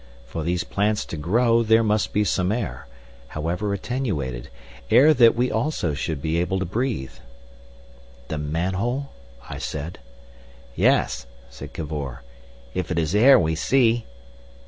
For these plants to grow, there must be some air, however attenuated, air that we also should be able to breathe. "The manhole?" I said. "Yes!" said Cavor, "if it is air we see!"